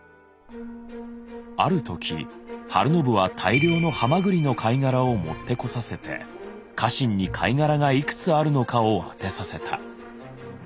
ある時晴信は大量の蛤の貝殻を持ってこさせて家臣に貝殻がいくつあるのかを当てさせた。